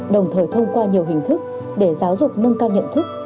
đồng thời thông qua nhiều hình thức để giáo dục nâng cao nhận thức